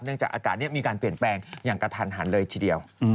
จากอากาศนี้มีการเปลี่ยนแปลงอย่างกระทันหันเลยทีเดียว